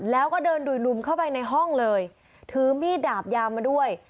แล้วก็เดินดุยลุมเข้าไปในห้องเลยถือมีดดาบยาวมาด้วย